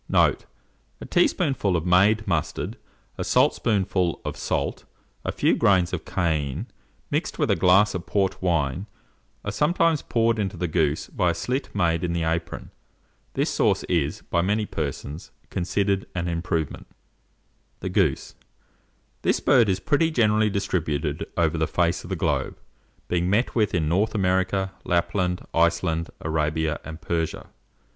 Note. A teaspoonful of made mustard, a saltspoonful of salt, a few grains of cayenne, mixed with a glass of port wine, are sometimes poured into the goose by a slit made in the apron. This sauce is, by many persons, considered an improvement. [Illustration: EMDEN GOOSE.] THE GOOSE. This bird is pretty generally distributed over the face of the globe, being met with in North America, Lapland, Iceland, Arabia, and Persia.